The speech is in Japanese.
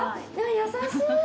優しい。